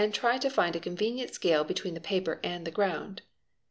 Na ~ to find a convenient scale between the paper and the ground.